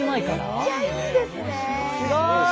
めっちゃいいですね！